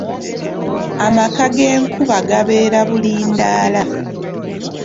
Amaka g’enkuba gabeera Bulindaala.